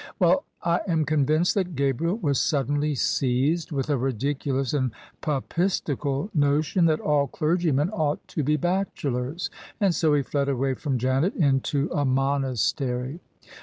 "Well, I am convinced that Gabriel was suddenly seized with a ridiculous and papistical notion that all clergymen ought to be bachelors : and so he fled away from Janet into a monastery.